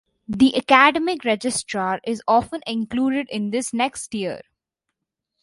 The Academic Registrar is often included in this next tier.